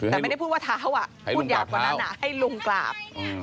แต่ไม่ได้พูดว่าเท้าพูดหยากกว่านั้นให้ลุงกราบ